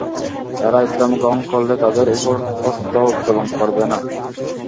তারা ইসলাম গ্রহণ করলে তাদের উপর হস্ত উত্তোলন করবে না।